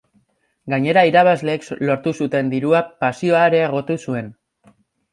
Gainera irabazleek lortu zuten diruak pasioa areagotu zuen.